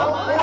ayo duduk ya